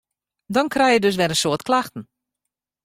Dan krije je dus wer in soad klachten.